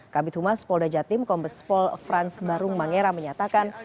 kabit humas polda jatim kombes pol franz barung mangera menyatakan